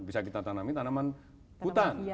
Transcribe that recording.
bisa kita tanami tanaman hutan